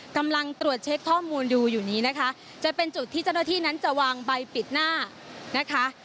กำลังตรวจเช็คข้อมูลดูอยู่นี้นะคะจะเป็นจุดที่เจ้าหน้าที่นั้นจะวางใบปิดหน้านะคะ